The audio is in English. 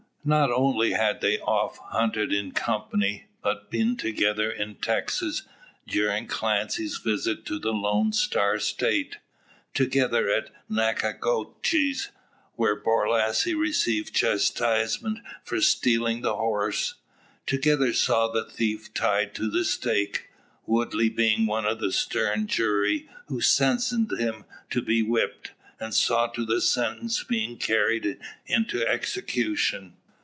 Not only had they oft hunted in company, but been together in Texas during Clancy's visit to the Lone Star State; together at Nacogdoches, where Borlasse received chastisement for stealing the horse; together saw the thief tied to the stake, Woodley being one of the stern jury who sentenced him to be whipped, and saw to the sentence being carried into execution.